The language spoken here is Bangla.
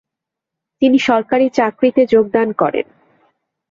তিনি সরকারি চাকরিতে যোগদান করেন।